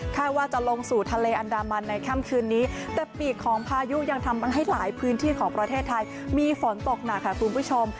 ว่าจะลงสู่ทะเลอันดามันในค่ำคืนนี้แต่ปีกของพายุยังทำให้หลายพื้นที่ของประเทศไทยมีฝนตกหนักค่ะคุณผู้ชม